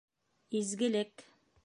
Изгелек